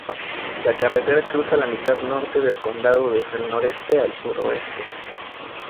La carretera cruza la mitad norte del condado desde el noreste al suroeste.